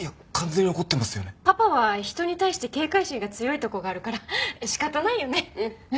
パパは人に対して警戒心が強いとこがあるから仕方ないよね。